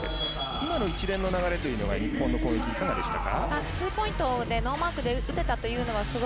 今の一連の流れというのはいかがでしたか？